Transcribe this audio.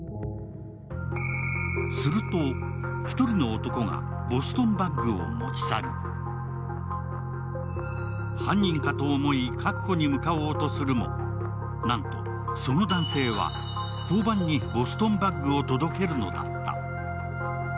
すると、一人の男が、ボストンバッグを持ち去る犯人かと思い、確保に向かおうとするもなんと、その男性は交番にボストンバッグを届けるのだった。